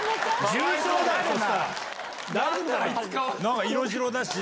重症だよ！